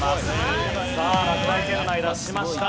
さあ落第圏内脱しました。